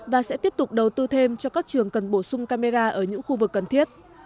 và sẽ tiếp tục đầu tư thêm cho các trường cần bổ sung camera ở những khu vực cần thiết